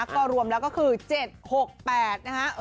ก็รวมแล้วก็คือ๗๖๘นะฮะ